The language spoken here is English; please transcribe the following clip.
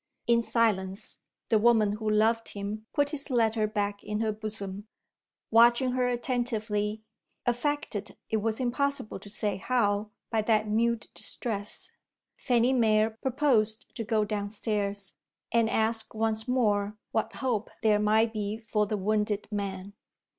In silence, the woman who loved him put his letter back in her bosom. Watching her attentively affected, it was impossible to say how, by that mute distress Fanny Mere proposed to go downstairs, and ask once more what hope there might be for the wounded man.